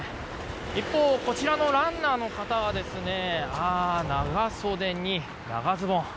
一方、こちらのランナーの方は長袖に長ズボン。